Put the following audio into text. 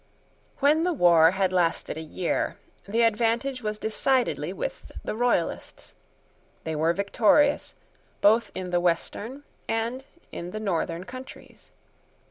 When the war had lasted a year, the advantage was decidedly with the Royalists. They were victorious, both in the western and in the northern counties.